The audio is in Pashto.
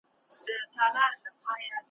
څه ګل غونډۍ وه څه بهارونه ,